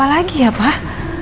apa lagi ya pak